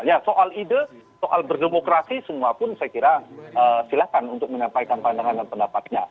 ya soal ide soal berdemokrasi semua pun saya kira silakan untuk menyampaikan pandangan dan pendapatnya